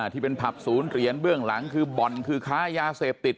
ที่เป็นผับศูนย์เหรียญเบื้องหลังคือบ่อนคือค้ายาเสพติด